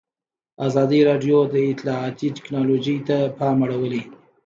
ازادي راډیو د اطلاعاتی تکنالوژي ته پام اړولی.